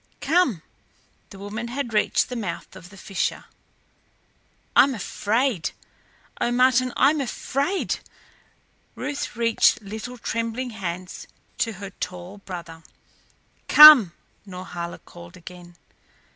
"Come." The woman had reached the mouth of the fissure. "I'm afraid! Oh, Martin I'm afraid." Ruth reached little trembling hands to her tall brother. "Come!" Norhala called again.